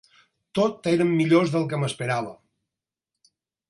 Tot eren millors del que m'esperava.